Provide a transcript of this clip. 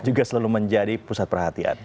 juga selalu menjadi pusat perhatian